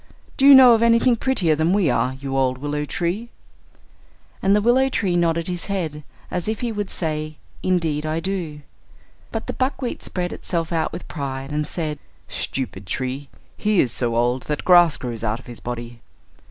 Do you know of anything prettier than we are, you old willow tree?" And the willow tree nodded his head, as if he would say, "Indeed I do." But the buckwheat spread itself out with pride, and said, "Stupid tree; he is so old that grass grows out of his body."